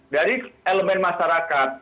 dari elemen masyarakat